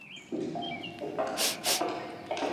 صد عن الأطلال لما استيأسا